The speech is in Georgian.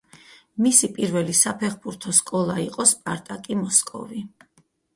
მისი პირველი საფეხბურთო სკოლა იყო სპარტაკი მოსკოვი.